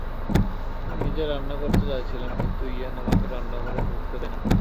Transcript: আমি নিজে রান্না করতে চাইছিলাম, কিন্তু ইয়েন আমাকে রান্নাঘরে ঢুকতে দেয় না।